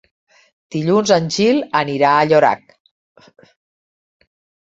Dilluns en Gil anirà a Llorac.